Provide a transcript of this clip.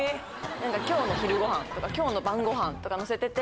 今日の昼ごはんとか今日の晩ごはんとか載せてて。